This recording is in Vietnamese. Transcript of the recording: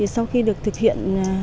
sau khi được thực hiện